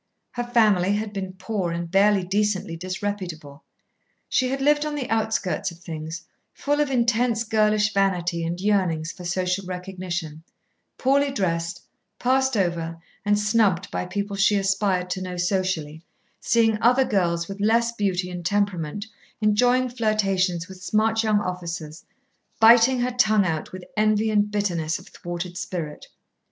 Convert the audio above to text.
Her family had been poor and barely decently disreputable. She had lived on the outskirts of things, full of intense girlish vanity and yearnings for social recognition, poorly dressed, passed over and snubbed by people she aspired to know socially, seeing other girls with less beauty and temperament enjoying flirtations with smart young officers, biting her tongue out with envy and bitterness of thwarted spirit.